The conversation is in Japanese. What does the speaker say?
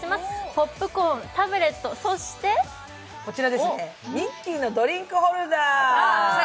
ポップコーン、タブレットそしてそしてミッキーのドリンクホルダー！